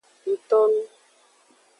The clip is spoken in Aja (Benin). Ngtonu.